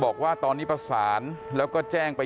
บอกว่าตอนนี้ประสานแล้วก็แจ้งไป